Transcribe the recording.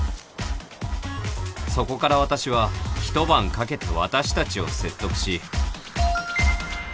そこから私はひと晩かけて私たちを説得し